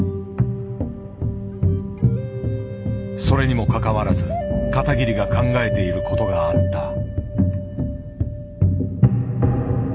それにもかかわらず片桐が考えていることがあった。